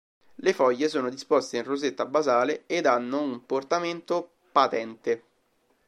Le foglie sono disposte in rosetta basale ed hanno un portamento patente.